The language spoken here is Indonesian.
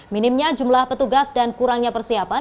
minimnya jumlah petugas dan kurangnya persiapan